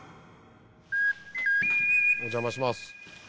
お邪魔します。